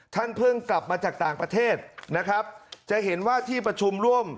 เพิ่งกลับมาจากต่างประเทศนะครับจะเห็นว่าที่ประชุมร่วม